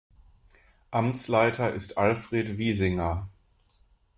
Amtsleiter ist Alfred Wiesinger.